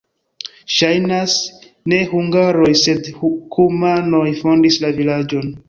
Ŝajnas, ne hungaroj, sed kumanoj fondis la vilaĝon.